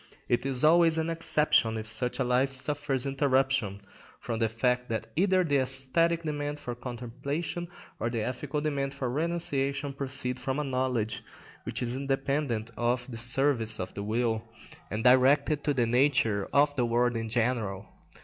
It is always an exception if such a life suffers interruption from the fact that either the æsthetic demand for contemplation or the ethical demand for renunciation proceed from a knowledge which is independent of the service of the will, and directed to the nature of the world in general.